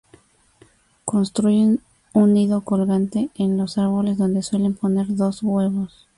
Construyen un nido colgante en los árboles donde suelen poner dos huevos.